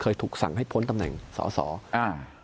เคยถูกสั่งให้พ้นตำแหน่งศาสตร์